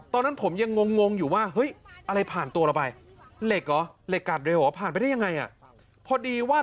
ตอนนั้นผมยังงงงงอยู่ว่า